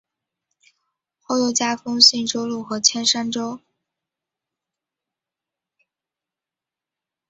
后又加封信州路和铅山州。